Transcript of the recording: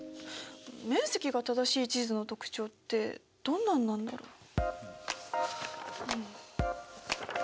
面積が正しい地図の特徴ってどんなんなんだろ。